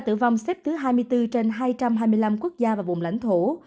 hai mươi bốn trên hai trăm hai mươi năm quốc gia và vùng lãnh thổ